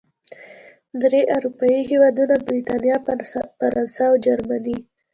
درې اروپايي هېوادونو، بریتانیا، فرانسې او جرمني